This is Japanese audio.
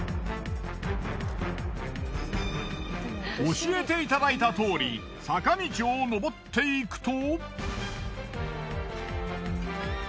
教えていただいたとおり坂道を上っていくと。